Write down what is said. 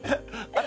あれ？